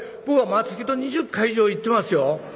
僕は松木と２０回以上行ってますよ。